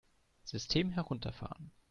System herunterfahren!